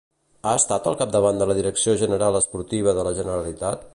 Ha estat al capdavant de la direcció general esportiva de la Generalitat?